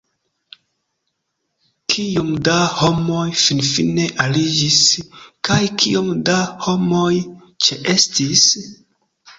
Kiom da homoj finfine aliĝis, kaj kiom da homoj ĉeestis?